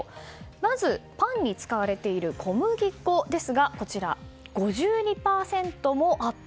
まず、パンに使われている小麦粉ですが、５２％もアップ。